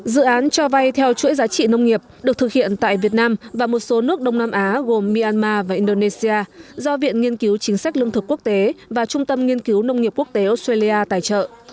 dự án cho vay theo chuỗi giá trị nông nghiệp được thực hiện tại việt nam và một số nước đông nam á gồm myanmar và indonesia do viện nghiên cứu chính sách lương thực quốc tế và trung tâm nghiên cứu nông nghiệp quốc tế australia tài trợ